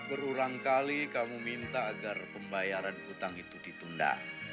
berulang kali kamu minta agar pembayaran utang itu ditunda